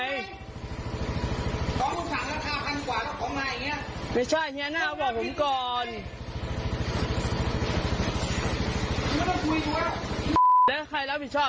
เออเอ่อขอบูธาเป็นใจ